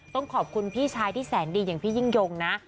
ต้องขอบคุณพี่ชายที่แสนดีอย่างพี่ยิ่งยงนะ